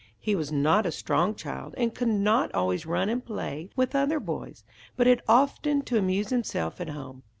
He was not a strong child, and could not always run and play with other boys, but had often to amuse himself at home.